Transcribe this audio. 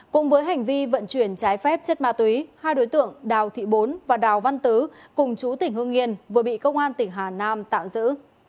cùng với hành vi vận chuyển trái phép chất ma túy hai đối tượng đào thị bốn và đào văn tứ cùng chú tỉnh hương yên vừa bị công an tỉnh hà nam tạm giữ